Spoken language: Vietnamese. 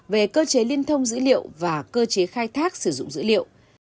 về cơ chế liên thông dữ liệu và cơ chế khai thác sử dụng dữ liệu